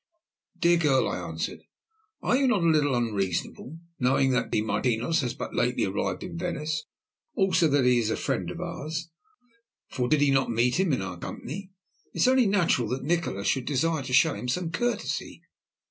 "Dear girl," I answered, "are you not a little unreasonable? Knowing that de Martinos has but lately arrived in Venice, also that he is a friend of ours for did he not meet him when in our company? it is only natural that Nikola should desire to show him some courtesy.